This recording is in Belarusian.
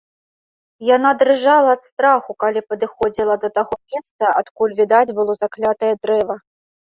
Яна дрыжала ад страху, калі падыходзіла да таго месца, адкуль відаць было заклятае дрэва.